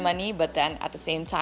tapi pada saat yang sama